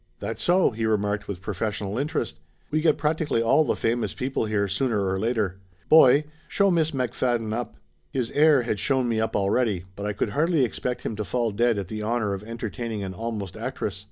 "That so?" he remarked with professional interest. "We get practically all the famous people here, sooner or later! Boy! Show Miss McFadden up!" His air had shown me up already, but I could hardly expect him to fall dead at the honor of enter taining an almost actress.